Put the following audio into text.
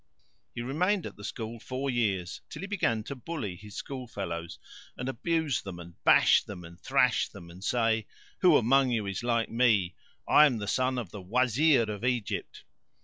he remained at the school four years, till he began to bully his schoolfellows and abuse them and bash them and thrash them and say, "Who among you is like me? I am the son of Wazir of Egypt!"